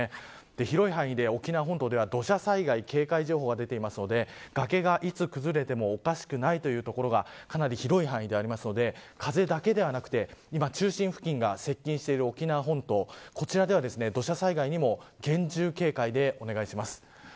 広い範囲で、沖縄本島では土砂災害警戒情報が出ているので崖が、いつ崩れてもおかしくないという所が広い範囲であるので風だけではなくて中心付近が接近している沖縄本島では土砂災害にも厳重警戒でお願いします。